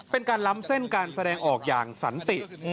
เป็นการล้ำเส้นการแสดงออกอย่างสันติ